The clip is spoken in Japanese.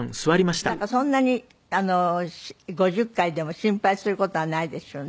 だからそんなに５０回でも心配する事はないですよね。